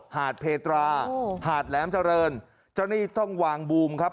หาดเพตราหาดแหลมเจริญเจ้านี่ต้องวางบูมครับ